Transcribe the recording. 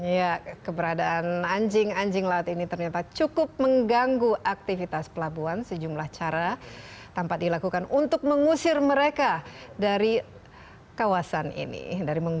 ya keberadaan anjing anjing laut ini ternyata cukup mengganggu aktivitas pelabuhan sejumlah cara tanpa dilakukan untuk mengusir mereka dari kawasan ini